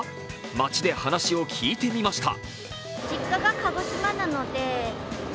街で話を聞いてみました。